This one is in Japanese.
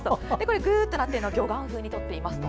グーッとなってるのは魚眼風に撮っていますと。